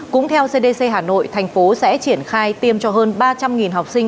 cũng theo cdc hà nội thành phố sẽ triển khai tiêm cho hơn ba trăm linh học sinh